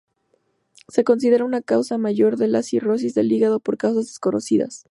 Se considera una causa mayor de la cirrosis del hígado por causas desconocidas.